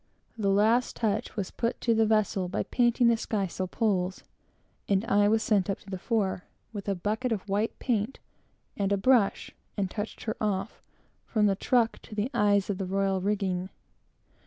The last touch was put to the vessel by painting the skysail poles; and I was sent up to the fore, with a bucket of white paint and a brush, and touched her off, from the truck to the eyes of the royal rigging.